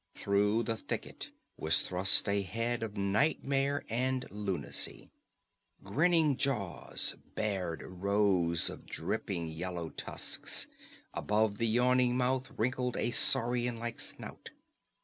Through the thicket was thrust a head of nightmare and lunacy. Grinning jaws bared rows of dripping yellow tusks; above the yawning mouth wrinkled a saurian like snout.